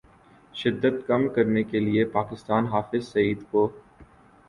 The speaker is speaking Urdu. شدت کم کرنے کے لیے پاکستان حافظ سعید کو